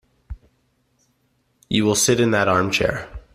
You will sit in that arm-chair.